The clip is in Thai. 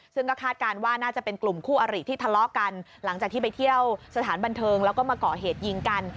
ซึ่งก็คาดการณ์ว่าน่าจะเป็นกลุ่มคู่อริที่ทะเลาะกันหลังจากที่ไปเที่ยวสถานบันเทิงแล้วก็มาก่อเหตุยิงกัน